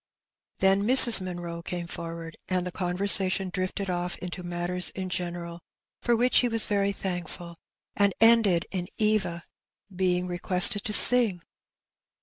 Then Mrs. Munroe came forward, and the conversation drifted off into matters in general, for which he was very thankful, and ended in Eva being requested to sing.